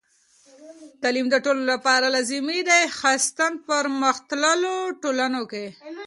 تعلیم د ټولو لپاره لازمي دی، خاصتاً پرمختللو ټولنو کې.